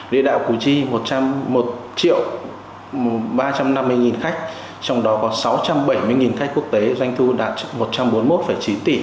địa đạo củ chi một trăm một ba trăm năm mươi khách trong đó có sáu trăm bảy mươi khách quốc tế doanh thu đạt một trăm bốn mươi một chín tỷ